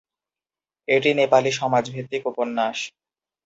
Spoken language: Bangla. এটি নেপালি সমাজ ভিত্তিক উপন্যাস।